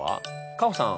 カホさん